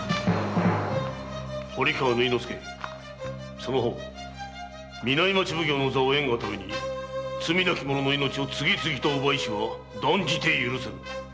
その方南町奉行の座を得んがために罪なき者の命を次々と奪いしは断じて許せん！